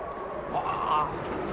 ああ！